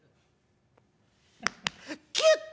「キュッて」。